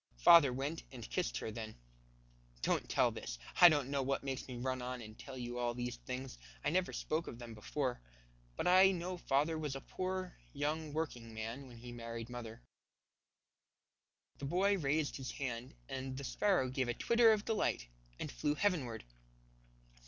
Father went and kissed her then. Don't tell this. I don't know what makes me run on and tell you all these things. I never spoke of them before. But I know father was a poor, young working man when he married mother." The boy raised his hand, and the sparrow gave a twitter of delight and flew heavenward.